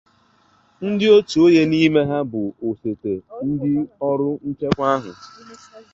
ndị ótù onye n'ime ha bụ osote onyeisi ndị ọrụ nchekwa ahụ